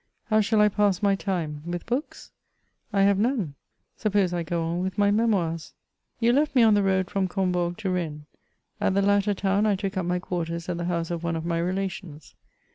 How shall I pass my time? With books? — I have none: suppose I go on with my Memoirs ? You left me on the road from Combourg to Bennes ; at the latter town I took up my quarters at the house of one of my relations.